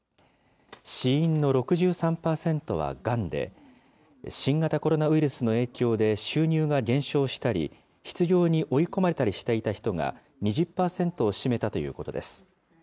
死因の６３％はがんで、新型コロナウイルスの影響で収入が減少したり、失業に追い込まれたりしていた人が２０％を占めたということです。